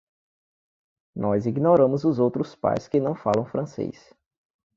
Nós ignoramos os outros pais que não falam francês.